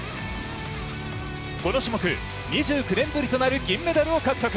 この種目２９年ぶりとなる銀メダルを獲得。